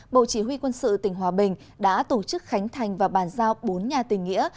bộ chỉ huy quân sự tỉnh hòa bình đã tổ chức khánh thành và bàn giao bốn nhà tình nghĩa